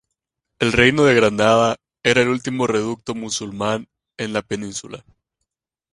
El reino de Granada era el último reducto musulmán en la Península.